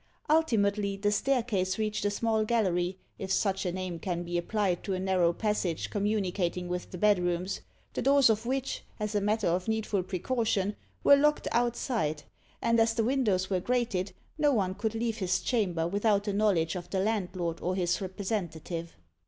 Ultimately, the staircase reached a small gallery, if such a name can be applied to a narrow passage communicating with the bedrooms, the doors of which, as a matter of needful precaution, were locked outside; and as the windows were grated, no one could leave his chamber without the knowledge of the landlord or his representative.